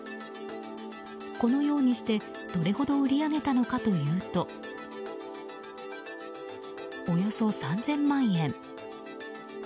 このようにして、どれほど売り上げたのかというとおよそ３０００万円。